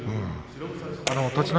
栃ノ